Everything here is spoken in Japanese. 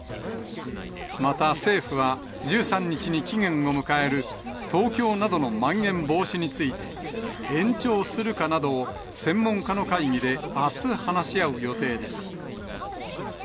また政府は、１３日に期限を迎える東京などのまん延防止について、延長するかなどを専門家の会議で、あす話し合う予定です。